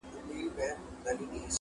• کشکي ستاسي په څېر زه هم الوتلای -